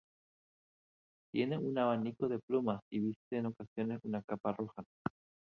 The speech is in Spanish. Tiene un abanico de plumas y viste en ocasiones una capa roja.